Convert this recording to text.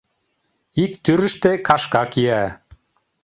Ик тӱрыштӧ кашка кия.